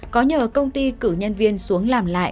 có nhờ công ty cử nhân viên xuống làm lại